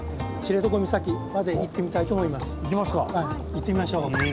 行ってみましょう。